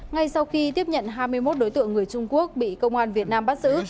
ngay sau khi tiếp nhận hai mươi một đối tượng người trung quốc bị công an việt nam bắt giữ